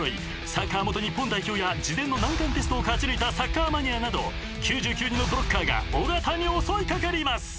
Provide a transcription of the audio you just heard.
サッカー元日本代表や事前の難関テストを勝ち抜いたサッカーマニアなど９９人のブロッカーが尾形に襲いかかります］